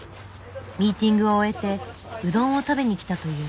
ミーティングを終えてうどんを食べに来たという。